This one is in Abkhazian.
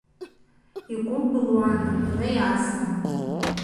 Игәы былуан адунеи азна.